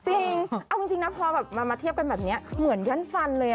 เออจริงนะพอมาเทียบกันแบบนี้เหมือนกันด้านฟันเลย